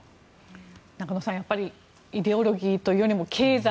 中野さん、やっぱりイデオロギーというよりも経済。